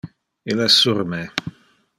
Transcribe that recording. Il es sur me.